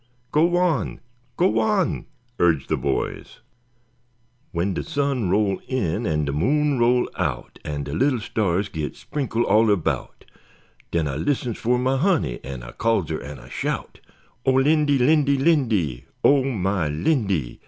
"Go on, go on," urged the boys. W'en de sun roll in an' de moon roll out, An' de li'l stars git sprinkl't all erbout, Den ah listens fer my honey an' ah calls her an' ah shout, O Lindy, Lindy, Lindy, O my Lindy!